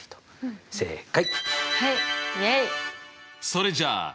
それじゃあ蒼澄。